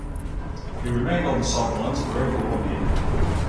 He remained on the sidelines for over one year.